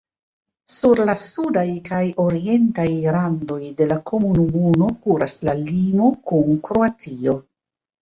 Sur la sudaj kaj orientaj randoj de la komunumo kuras la limo kun Kroatio.